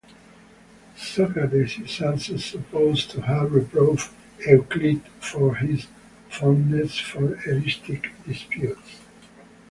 Socrates is also supposed to have reproved Euclid for his fondness for eristic disputes.